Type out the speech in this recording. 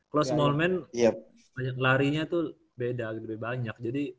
kalo small man larinya tuh beda lebih banyak jadi